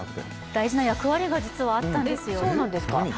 大事な役割が実はあったんですよ。